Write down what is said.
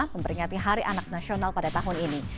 memperingati hari anak nasional pada tahun ini